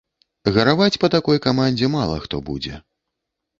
Гараваць па такой камандзе мала хто будзе.